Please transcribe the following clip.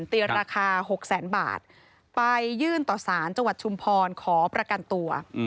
ตีราคา๖แสนบาทไปยื่นต่อสารจังหวัดชุมพรขอประกันตัว